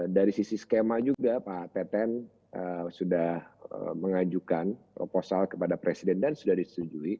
dari sisi skema juga pak teten sudah mengajukan proposal kepada presiden dan sudah disetujui